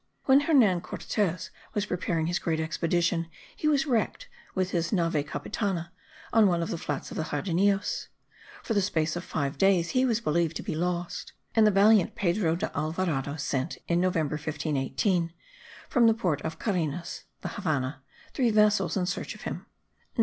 When Hernan Cortes was preparing his great expedition, he was wrecked with his Nave Capitana on one of the flats of the Jardinillos. For the space of five days he was believed to be lost, and the valiant Pedro de Alvarado sent (in November 1518) from the port of Carenas* (the Havannah) three vessels in search of him.